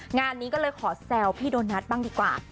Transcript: งานนี้ก็เลยขอแซวพี่โดนัทบ้างดีกว่า